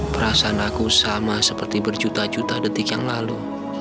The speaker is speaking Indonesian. perasaan aku sama seperti berjuta juta detik yang lalu